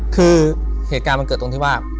คือเหตุการณ์มันเกิดตรงที่ว่า